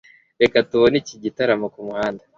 reka tubone iki gitaramo kumuhanda